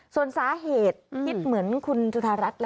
ส่วนสาเหตุคิดเหมือนคุณจุธรัฐแหละค่ะ